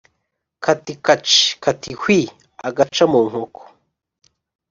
Kati kaci. kati hwi !-Agaca mu nkoko.